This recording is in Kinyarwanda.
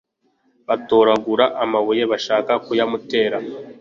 batoragura amabuye bashaka kuyamutera.